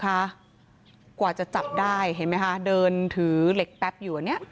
กว่ากว่าจะจับได้เห็นมั้ยคะเดินถือเหล็กแป๊บอยู่นี่